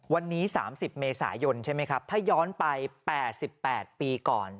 วันนี้๓๐เมษายนใช่ไหมครับถ้าย้อนไป๘๘ปีก่อน